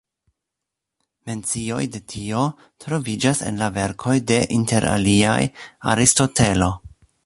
Mencioj de tio troviĝas en la verkoj de inter aliaj Aristotelo.